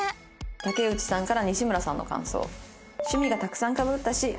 竹内さんから西村さんの感想。